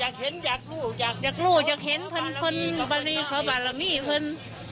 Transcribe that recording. อยากเห็นอยากรู้อยากเห็นเพลินเพลินเพลิน